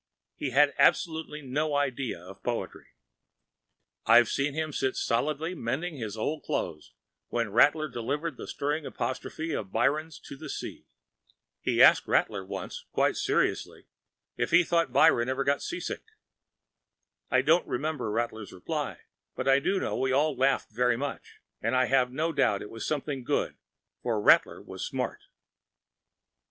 He had absolutely no idea of poetry. I’ve seen him sit stolidly by, mending his old clothes, when Rattler delivered that stirring apostrophe of Byron’s to the ocean. He asked Rattler once, quite seriously, if he thought Byron was ever seasick. I don’t remember Rattler’s reply, but I know we all laughed very much, and I have no doubt it was something good, for Rattler was smart.